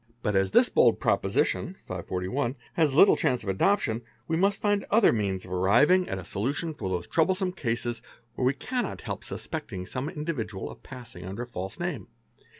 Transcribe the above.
But as this bold proposition ' has little chance of adoption, we must find other means of arriving at FALSE NAMES 303 solution in those troublesome cases where we cannot help suspecting some individual of passing under a false name.